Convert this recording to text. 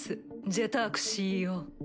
ジェタークＣＥＯ。